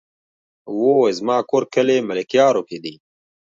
وو زما کور کلي ملكيارو کې دی